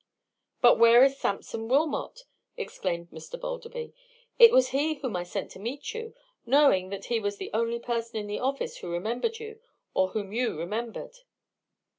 "But where is Sampson Wilmot?" exclaimed Mr. Balderby. "It was he whom I sent to meet you, knowing that he was the only person in the office who remembered you, or whom you remembered."